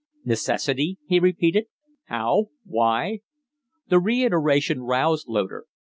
"Necessity?" he repeated. "How? Why?" The reiteration roused Loder.